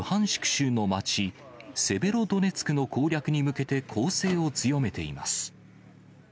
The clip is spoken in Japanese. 州の町、セベロドネツクの攻略に向けて、攻勢を強めています。